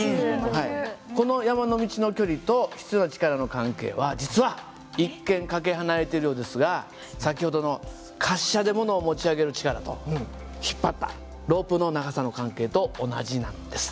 この山の道の距離と必要な力の関係は実は一見かけ離れているようですが先ほどの滑車でものを持ち上げる力と引っ張ったロープの長さの関係と同じなんです。